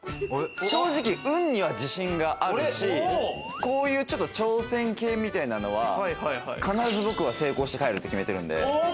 正直、運には自信があるし、こういうちょっとした挑戦系みたいなのは必ず僕は成功して帰るって決めてるんで。